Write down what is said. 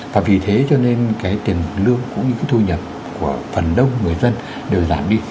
và vì thế cho nên cái tiền lương cũng như cái thu nhập của phần đông người dân đều giảm đi